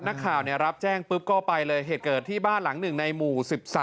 นักข่าวรับแจ้งปุ๊บก็ไปเลยเหตุเกิดที่บ้านหลังหนึ่งในหมู่๑๓